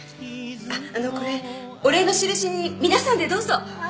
ああのこれお礼の印にみなさんでどうぞ。